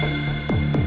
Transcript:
sampai kapan ren